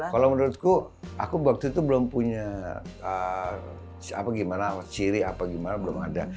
kalau menurutku aku waktu itu belum punya siapa gimana ciri apa gimana belum ada